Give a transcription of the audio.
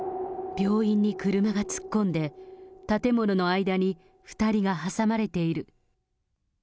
病院に車が突っ込んで、建物の間に２人が挟まれている。